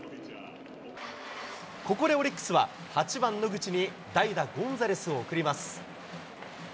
ここでオリックスは、８番野口に代打、ゴンザレスを送ります。